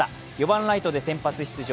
４番ライトで先発出場。